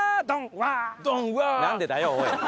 なんでだよおい！